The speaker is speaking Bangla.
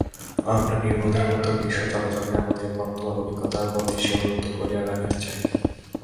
আমরা নির্বোধের মত বিশ্ব চরাচরকে আমাদের বর্তমান অভিজ্ঞতার মধ্যেই সীমিত করিয়া রাখিতে চাই।